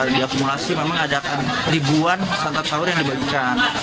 di akumulasi memang ada ribuan santap sahur yang dibagikan